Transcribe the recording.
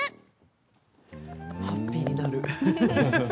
ハッピーになる。